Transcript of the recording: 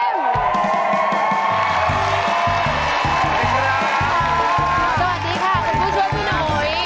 สวัสดีค่ะกับผู้ช่วยพี่หนุ๊ย